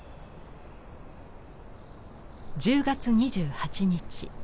１０月２８日。